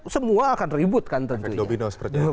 semua akan ribut kan tentunya